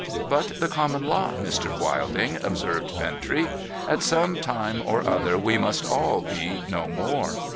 But the common lot, Mr. Wilding,' observed Bintrey. ' At some time or other we must all be no more.'